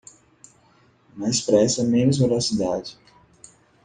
Mais pressa menos velocidade